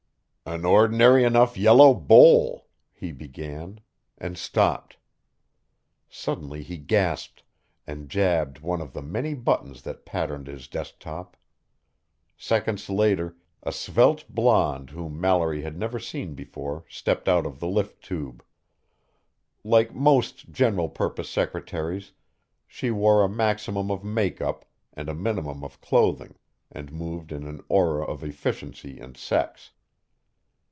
"An ordinary enough yellow bowl," he began, and stopped. Suddenly he gasped, and jabbed one of the many buttons that patterned his desktop. Seconds later, a svelte blonde whom Mallory had never seen before stepped out of the lift tube. Like most general purpose secretaries, she wore a maximum of makeup and a minimum of clothing, and moved in an aura of efficiency and sex.